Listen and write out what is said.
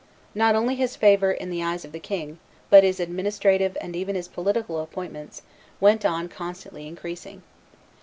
Not only his favor in the eyes of the king, but his administrative and even his political appointments, went on constantly increasing.